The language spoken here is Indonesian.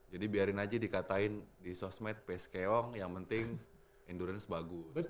jadi biarin aja dikatain di sosmed pskong yang penting endurance bagus